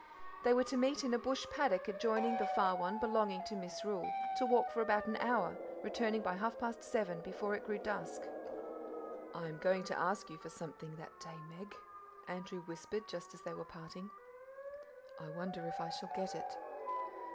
They were to meet in a bush paddock adjoining the far one belonging to Misrule, to walk for about an hour, returning by half past seven, before it grew dusk. "I am going to ask you for something that day, Meg," Andrew whispered just as they were parting. "I wonder if I shall get it."